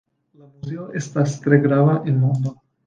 La muzeo estas tre grava en mondo.